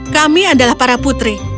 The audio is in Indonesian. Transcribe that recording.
kami adalah para putri